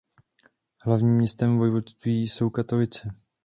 Hlavním městem vojvodství jsou Katovice.